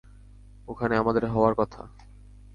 ওখানে আমাদের হওয়ার কথা।